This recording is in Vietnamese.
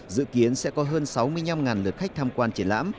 dự kiến sẽ có hơn sáu mươi năm lượt khách tham quan triển lãm